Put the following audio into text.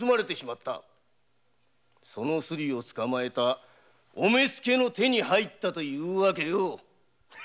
そのすりを捕まえたお目付の手に入ったというわけよ。